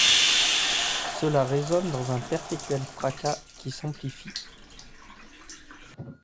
Cela résonne dans un perpétuel fracas qui s’amplifie.